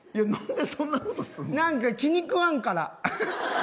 何か気にくわんから。